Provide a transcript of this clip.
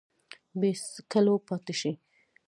بې څکلو پاته شي